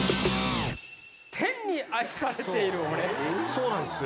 そうなんすよ。